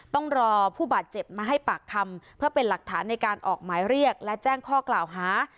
ต้องรอผู้บาดเจ็บมาให้ปากคำเพื่อเป็นหลักฐานในการออกหมายเรียกและแจ้งข้อกล่าวหา